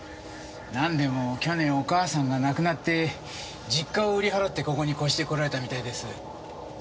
何でも去年お母さんが亡くなって実家を売り払ってここに越してこられたみたいです。